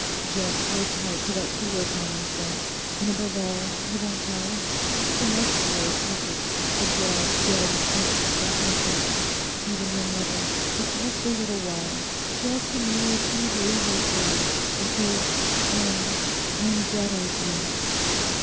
'Just hold tight to that clear common sense, and above all you won't tell? It must be our secret; a dead, dead secret from every one, even your mother, for just a little while; just a mere two days or so—in case. I'm—I'm better, dear.